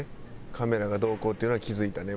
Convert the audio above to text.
カメラがどうこうっていうのは気付いたね